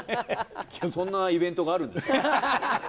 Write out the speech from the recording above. そんなイベントがあるんです